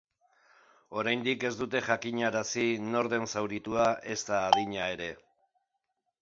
Oraindik ez dute jakinarazi nor den zauritua ezta adina ere.